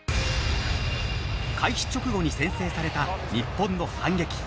開始直後に先制された日本の反撃。